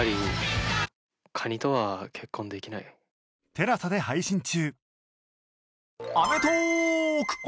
ＴＥＬＡＳＡ で配信中